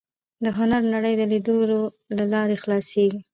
د هنر نړۍ د لیدلو له لارې خلاصېږي